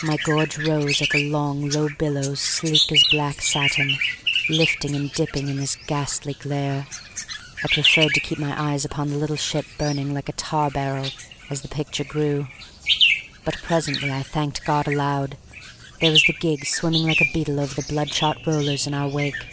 My gorge rose at the long, low billows sleek as black satin lifting and dipping in this ghastly glare. I preferred to keep my eyes upon the little ship burning like a tar barrel as the picture grew. But presently I thanked God aloud: there was the gig swimming like a beetle over the bloodshot rollers in our wake.